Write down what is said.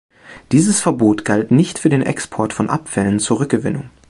Dieses Verbot galt nicht für den Export von Abfällen zur Rückgewinnung.